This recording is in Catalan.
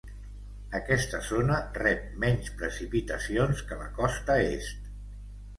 Aquesta zona rep menys precipitacions que la costa est.